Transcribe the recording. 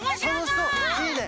いいね！